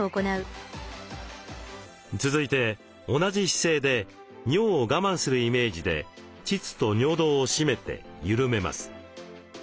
続いて同じ姿勢で尿を我慢するイメージで膣と尿道を締めて緩めます。